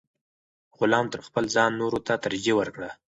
غلام تر خپل ځان نورو ته ترجیح ورکړه.